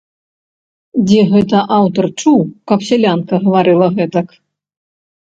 Дзе гэта аўтар чуў, каб сялянка гаварыла гэтак?